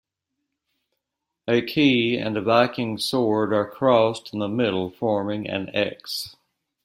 A key and a Viking sword are crossed in the middle forming an x.